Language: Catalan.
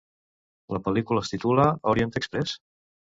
La pel·lícula es titula Orient Express?